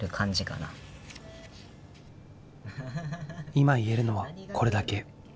今言えるのはこれだけ。